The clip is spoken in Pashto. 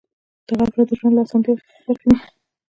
دغه افراد د ژوند له اسانتیاوو څخه بې برخې دي.